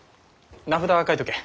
名札は書いとけ。